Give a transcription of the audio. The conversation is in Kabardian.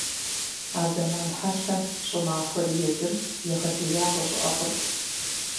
А зэман хьэлъэм щӀымахуэри езыр егъэлеяуэ щӀыӀэ хъурт.